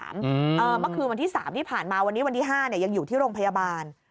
เมื่อคืนวันที่๓ที่ผ่านมาวันนี้วันที่๕ยังอยู่ที่โรงพยาบาล